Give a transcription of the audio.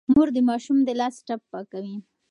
مور د ماشوم د لاس ټپ پاکوي.